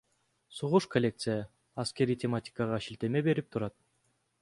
Согуш Коллекция аскерий тематикага шилтеме берип турат.